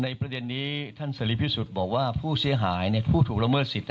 ประเด็นนี้ท่านเสรีพิสุทธิ์บอกว่าผู้เสียหายในผู้ถูกละเมิดสิทธิ